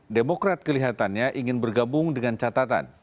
jadi demokrat kelihatannya ingin bergabung dengan catatan